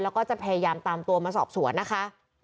แล้วก็จะพยายามตามตัวมาสอบสวนนะคะ